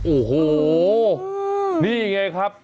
โอ้โหนี่ไงครับ